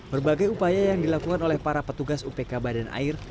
berbagai upaya yang dilakukan oleh para petugas upk badan air